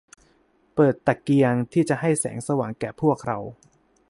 เปิดตะเกียงที่จะให้แสงสว่างแก่พวกเรา